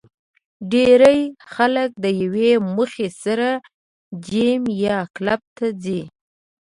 ډېری خلک د یوې موخې سره جېم یا کلب ته ځي